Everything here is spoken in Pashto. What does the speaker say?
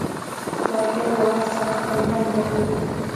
لرګی له وخت سره خپل بڼه بدلوي.